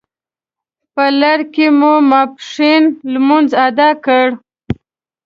په لړ کې مو ماپښین لمونځ اداء کړ.